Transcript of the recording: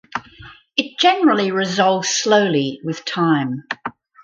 It generally resolves slowly with time.